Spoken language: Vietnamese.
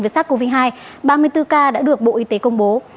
về sắc covid một mươi chín ba mươi bốn ca đã được bộ y tế công bố